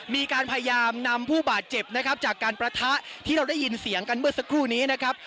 มีการพยายามนำผู้บาดเจ็บนะครับจากการประทะที่เราได้ยินเสียงกันเมื่อสักครู่นี้นะครับ